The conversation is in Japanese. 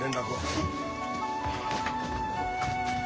はい。